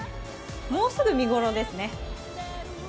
もうすぐ見頃ですね。